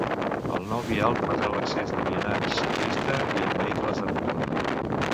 El nou vial permetrà l’accés de vianants, ciclista i amb vehicles a motor.